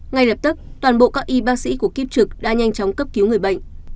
ngay lập tức toàn bộ các y bác sĩ của kiếp trực đã nhanh chóng cấp cứu người bệnh